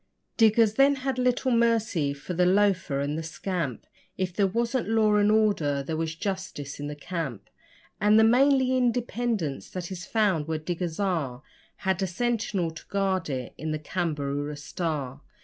Diggers then had little mercy for the loafer and the scamp If there wasn't law and order, there was justice in the camp; And the manly independence that is found where diggers are Had a sentinel to guard it in the CAMBAROORA STAR.